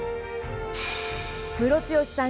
ムロツヨシさん